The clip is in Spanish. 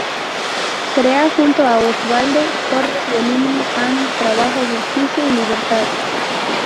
Crea junto a Osvaldo Torres el himno "Pan, Trabajo, Justicia y Libertad".